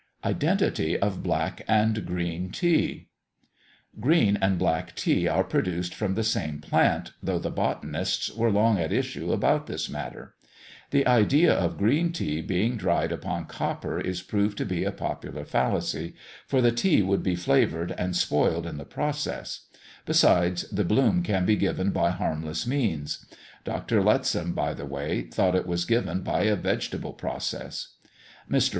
IDENTITY OF BLACK AND GREEN TEA. Green and Black Tea are produced from the same plant, though the botanists were long at issue about this matter. The idea of green tea being dried upon copper is proved to be a popular fallacy, for the tea would be flavoured and spoiled in the process; besides, the bloom can be given by harmless means. Dr. Lettsom, by the way, thought it was given by a vegetable process. Mr.